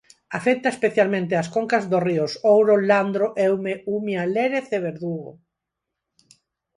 Afecta especialmente ás concas dos ríos Ouro, Landro, Eume, Umia, Lérez e Verdugo.